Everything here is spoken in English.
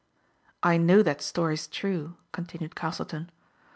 " I know that story's true,*' continued Castle ton.